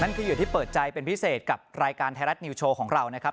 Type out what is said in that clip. ที่อยู่ที่เปิดใจเป็นพิเศษกับรายการไทยรัฐนิวโชว์ของเรานะครับ